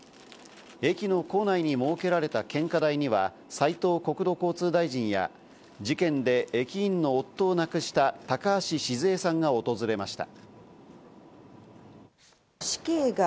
駅の構内に設けられた献花台には、斉藤国土交通大臣や事件で駅員の夫を亡くした高橋シズヱさんが訪れました。